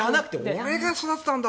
俺が育てたんだ！